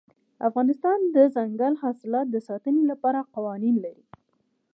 افغانستان د دځنګل حاصلات د ساتنې لپاره قوانین لري.